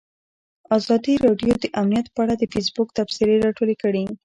ازادي راډیو د امنیت په اړه د فیسبوک تبصرې راټولې کړي.